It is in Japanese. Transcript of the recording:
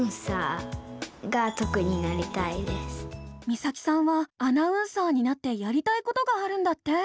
実咲さんはアナウンサーになってやりたいことがあるんだって。